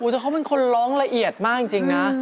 แต่เขาเป็นคนร้องละเอียดมากจริงนะ